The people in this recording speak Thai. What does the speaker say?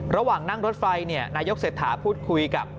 ระหว่างนั่งรถไฟนายกเศรษฐาพูดคุยกับ